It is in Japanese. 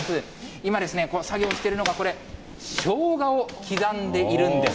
今、作業してるのが、これ、しょうがを刻んでいるんです。